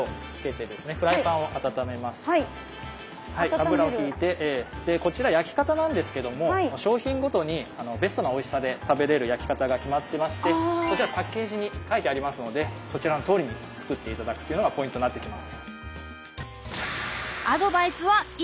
油を引いてでこちら焼き方なんですけども商品ごとにベストなおいしさで食べれる焼き方が決まってましてそちらパッケージに書いてありますのでそちらのとおりに作って頂くっていうのがポイントになってきます。